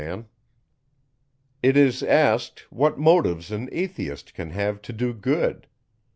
It is asked, _what motives an Atheist can have to do good?